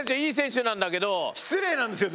いい選手なんだけど。